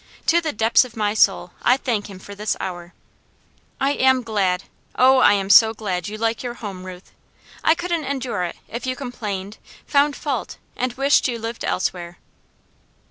To the depths of my soul I thank Him for this hour. I am glad, Oh I am so glad you like your home, Ruth! I couldn't endure it if you complained, found fault and wished you lived elsewhere."